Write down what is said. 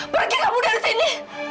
pergi kamu dari sini